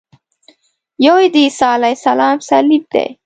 یو یې د عیسی علیه السلام صلیب دی.